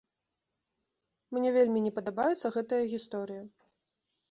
Мне вельмі не падабаецца гэтая гісторыя.